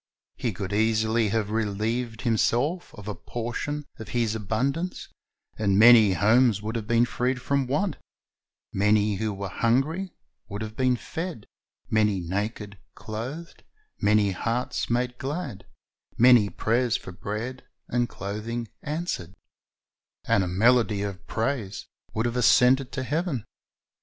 He could easily have relieved himself of a portion of his abundance, and many homes would have been freed from want, many who were hungry would have been fed, many naked clothed, many hearts made glad, many prayers for bread and clothing answered, and a melody of praise would have ascended to heaven.